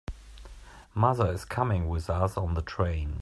Mother is coming with us on the train.